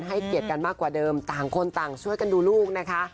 ให้เกียรติกันมากกว่าเดิมต่างคนต่างช่วยกันดูลูกนะคะ